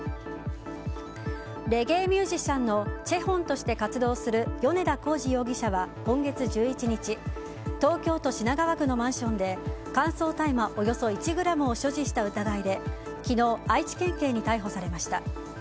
レゲエミュージシャンのＣＨＥＨＯＮとして活動する米田洪二容疑者は今月１１日、東京都品川区のマンションで乾燥大麻およそ１ｇを所持した疑いで昨日、愛知県警に逮捕されました。